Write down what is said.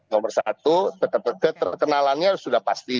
nomor satu keterkenalannya sudah pasti